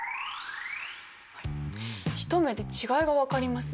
一目で違いが分かりますね。